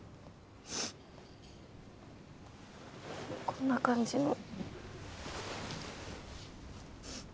こんな感じの。